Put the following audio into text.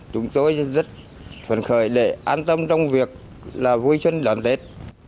chúng tôi rất phấn khởi để an tâm trong việc là vui chân đón tết